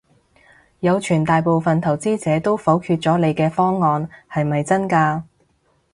有傳大部份投資者都否決咗你嘅方案，係咪真嘅？